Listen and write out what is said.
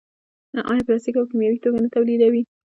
آیا پلاستیک او کیمیاوي توکي نه تولیدوي؟